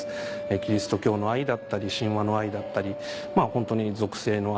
キリスト教の愛だったり神話の愛だったりホントに俗世の愛。